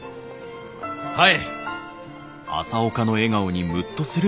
はい！